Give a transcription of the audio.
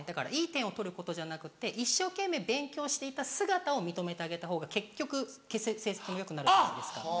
いい点を取ることじゃなくって一生懸命勉強していた姿を認めてあげたほうが結局成績もよくなる。